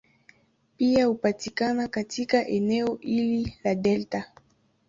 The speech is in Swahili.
Pia hupatikana katika eneo hili la delta.